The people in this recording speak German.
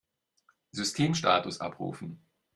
Systemstatus abrufen!